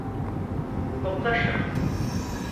Kokla şunu.